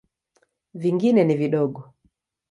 Vingine ni vidogo.